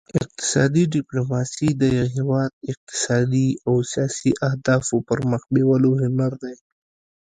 اقتصادي ډیپلوماسي د یو هیواد اقتصادي او سیاسي اهدافو پرمخ بیولو هنر دی